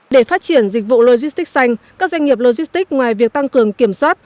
để phát triển dịch vụ logistics xanh các doanh nghiệp logistics ngoài việc tăng cường kiểm soát